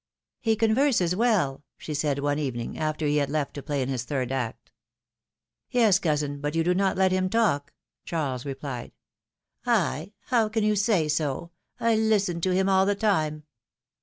He converses well,^^ she said one evening, after he had left to play in his third act. ^^Yes, cousin, but you do not let him talk!'' Charles replied. ? How can you say so ? I listen to him all the time."